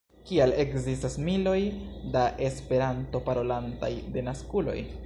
Kial ekzistas miloj da Esperanto-parolantaj denaskuloj?